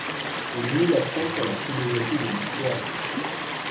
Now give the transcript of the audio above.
Il mit l'accent sur la philosophie de l'histoire.